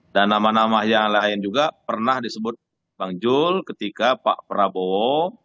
dan nama nama yang lain juga pernah disebut bang zulkifli hasan ketika pak prabowo